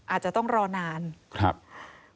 อาจจะต้องรอนานครับ